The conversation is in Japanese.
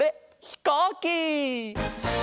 ひこうき！